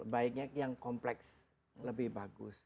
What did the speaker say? baiknya yang kompleks lebih bagus